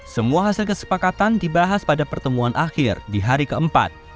semua hasil kesepakatan dibahas pada pertemuan akhir di hari keempat